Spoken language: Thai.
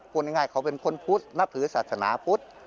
พูดง่ายเขาเป็นคนพุทธนับถือศาสนาพุทธ